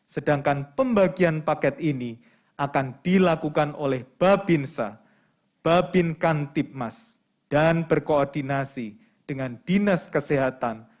sedangkan pembagian paket ini akan dilakukan oleh babinsa babinkan tipmas dan berkoordinasi dengan dinas kesehatan